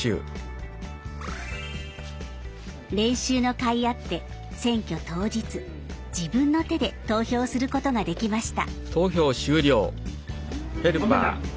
練習のかいあって選挙当日、自分の手で投票することができました。